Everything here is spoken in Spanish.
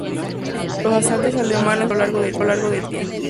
Los asaltos alemanes sucedían a lo largo del día.